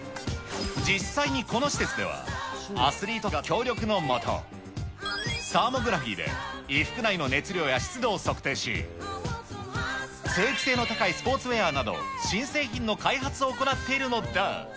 実際にこの施設では、アスリートが協力の下、サーモグラフィーで衣服内の熱量や湿度を測定し、通気性の高いスポーツウエアなど、新製品の開発を行っているのだ。